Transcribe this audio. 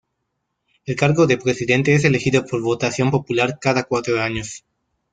El cargo de presidente es elegido por votación popular cada cuatro años.